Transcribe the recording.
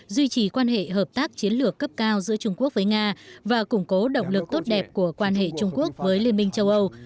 duy trì quan hệ hợp tác chiến lược cấp cao giữa trung quốc với nga và củng cố động lực tốt đẹp của quan hệ trung quốc với liên minh châu âu